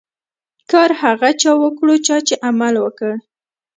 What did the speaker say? کار هغه چا وکړو، چا چي عمل وکړ.